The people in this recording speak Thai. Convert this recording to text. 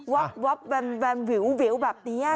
ว๊อบว๊อบแวมแวมวิวแบบนี้ค่ะ